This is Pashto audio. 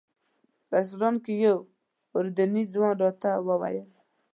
رسټورانټ کې یو اردني ځوان راته وویل.